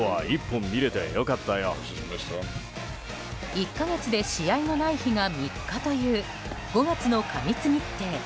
１か月で試合のない日が３日という５月の過密日程。